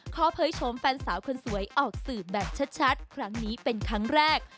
เผยโฉมแฟนสาวคนสวยออกสื่อแบบชัดครั้งนี้เป็นครั้งแรก